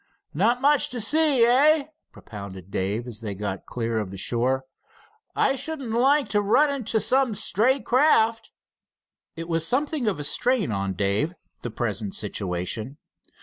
"Not much to see, eh?" propounded Dave, as they got clear of the shore. "I shouldn't like to run into some stray craft." It was something of a strain on Dave, the present situation.